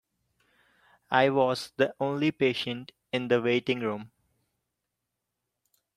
I was the only patient in the waiting room.